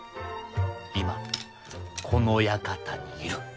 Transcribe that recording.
今、この館にいる。